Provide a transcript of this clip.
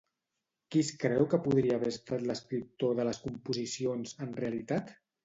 Qui es creu que podria haver estat l'escriptor de les composicions, en realitat?